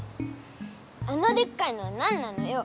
あのでっかいのはなんなのよ！